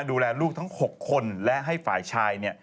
ดูแลลูกทั้ง๖คนและให้ฝ่ายชาย